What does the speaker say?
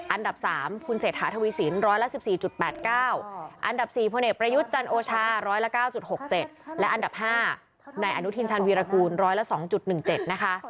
อันดับ๓คุณเศรษฐาทวีสินร้อยละ๑๔๘๙อันดับ๔พลเอกประยุทธ์จันโอชา๑๐๙๖๗และอันดับ๕นายอนุทินชาญวีรกูล๑๐๒๑๗นะคะ